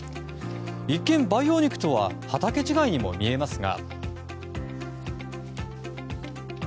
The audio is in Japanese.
一見、培養肉とは畑違いにも見えますが。